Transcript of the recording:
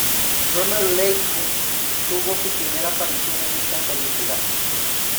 Ronald Leigh-Hunt tuvo su primera aparición en esta película.